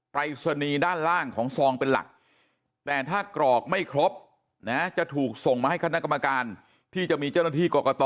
ปรายศนีย์ด้านล่างของซองเป็นหลักแต่ถ้ากรอกไม่ครบนะจะถูกส่งมาให้คณะกรรมการที่จะมีเจ้าหน้าที่กรกต